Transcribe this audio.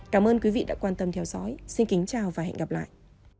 cảm ơn quý vị đã quan tâm theo dõi xin kính chào và hẹn gặp lại